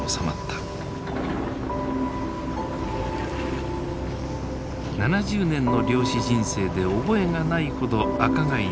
７０年の漁師人生で覚えがないほど赤貝に見放された年。